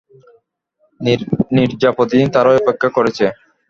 নীরজা প্রতিদিন তারই অপেক্ষা করেছে।